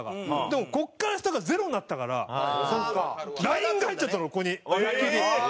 でもここから下がゼロになったからラインが入っちゃったのここに思いっきり。